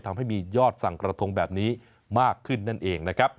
ทำให้มียอดสั่งกระทงแบบนี้มากขึ้นนั่นเองนะครับ